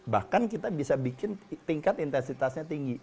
bahkan kita bisa bikin tingkat intensitasnya tinggi